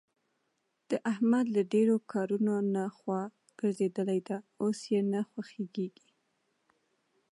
د احمد له ډېرو کارونو نه خوا ګرځېدلې ده. اوس یې نه خوښږېږي.